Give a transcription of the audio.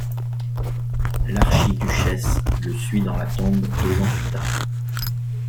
L'archiduchesse le suit dans la tombe deux ans plus tard.